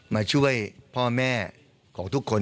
มาช่วยพ่อแม่ของทุกคน